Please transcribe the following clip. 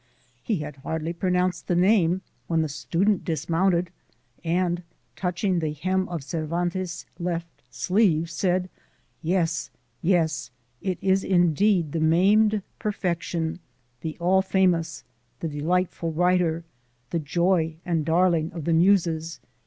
He had hardly pronounced the name when the student dismounted and, touching the hem of Cervantes' left sleeve, said, 'Yes, yes, it is indeed the maimed perfection, the all famous, the delightful writer, the joy and darling of the Muses!